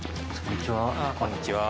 こんにちは。